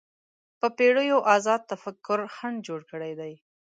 په پېړیو ازاد تفکر خنډ جوړ کړی دی